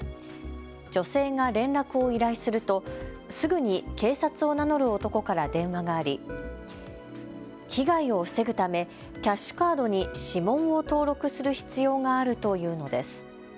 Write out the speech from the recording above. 女性が連絡を依頼するとすぐに警察を名乗る男から電話があり被害を防ぐためキャッシュカードに指紋を登録する必要があるというのです。